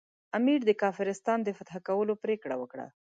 امیر د کافرستان د فتح کولو پرېکړه وکړه.